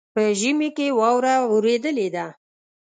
په ژمي کې واوره اوریدلې ده.